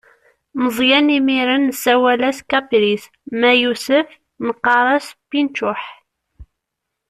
Meẓyan imir-n nessawal-as kapris, ma yusef neqqaṛ-as pinčuḥ.